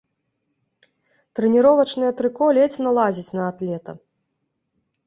Трэніровачнае трыко ледзь налазіць на атлета.